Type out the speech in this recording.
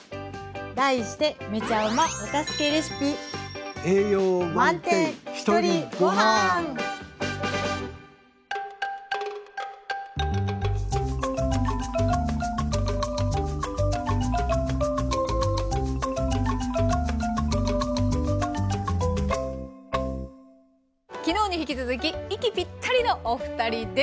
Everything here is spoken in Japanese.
題して昨日に引き続き息ぴったりのお二人です。